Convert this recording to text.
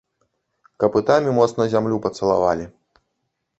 Капытамі моцна зямлю пацалавалі.